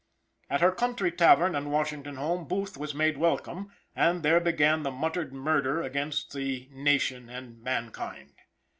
At her country tavern and Washington home Booth was made welcome, and there began the muttered murder against the nation and mankind.